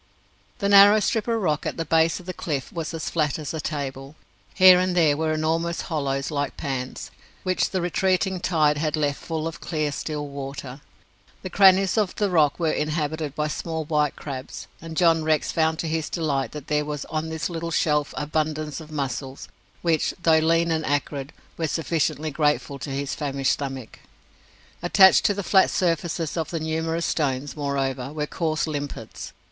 The narrow strip of rock at the base of the cliff was as flat as a table. Here and there were enormous hollows like pans, which the retreating tide had left full of clear, still water. The crannies of the rock were inhabited by small white crabs, and John Rex found to his delight that there was on this little shelf abundance of mussels, which, though lean and acrid, were sufficiently grateful to his famished stomach. Attached to the flat surfaces of the numerous stones, moreover, were coarse limpets.